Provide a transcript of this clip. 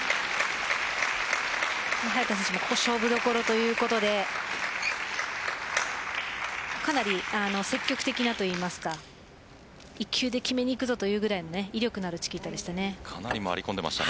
早田選手も勝負どころということでかなり積極的なといいますか１球で決めにいくぞというぐらいの魅力のあるチキータでした。